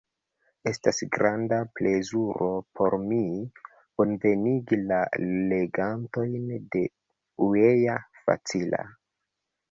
Estas granda plezuro por mi, bonvenigi la legantojn de uea.facila!